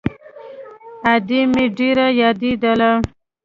ادې مې ډېره يادېدله.